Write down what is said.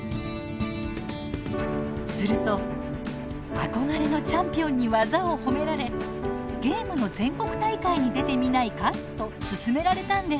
すると憧れのチャンピオンに技を褒められ「ゲームの全国大会に出てみないか」と勧められたんです。